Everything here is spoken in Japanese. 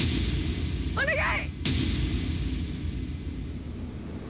お願い！